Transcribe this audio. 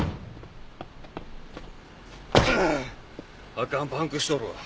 あかんパンクしとるわ。